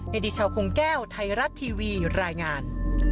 ดิชาวคงแก้วไทยรัฐทีวีรายงาน